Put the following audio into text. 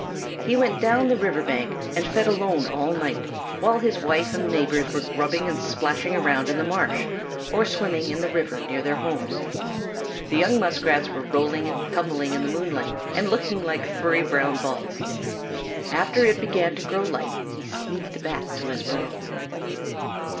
He went down the river bank and fed alone all night, while his wife and neighbors were grubbing and splashing around in the marsh or swimming in the river near their homes. The young Muskrats were rolling and tumbling in the moonlight and looking like furry brown balls. After it began to grow light, he sneaked back to his burrow.